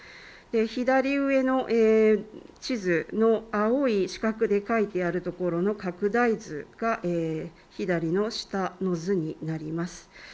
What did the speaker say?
左上の地図の青い四角で書いてあるところの拡大図が左の下の図になります。